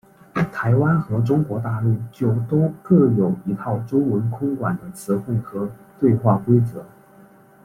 台湾和中国大陆就都各有一套中文空管的词汇和对话规则。